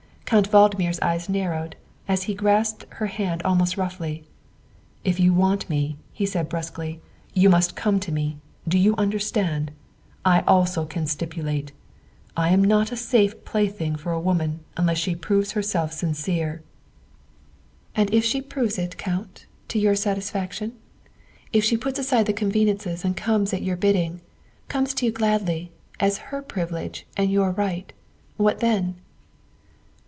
Count Valdmir's eyes narrowed as he grasped her hand almost roughly. " If you want me," he said brusquely, " you must 240 THE WIFE OF come to me do you understand? I also can stipulate. I am not a safe plaything for a woman unless she proves herself sincere." "And if she proves it, Count, to your satisfaction? If she puts aside the convenances and comes at your bid ding, comes to you gladly, as her privilege and your right, what then?"